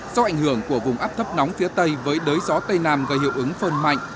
do ảnh hưởng của vùng áp thấp nóng phía tây với đới gió tây nam gây hiệu ứng phơn mạnh